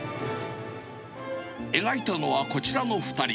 描いたのは、こちらの２人。